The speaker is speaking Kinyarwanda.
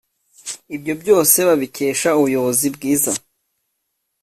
Ibyo byose babikesha ubuyobozi bwiza